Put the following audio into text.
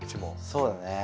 そうだね。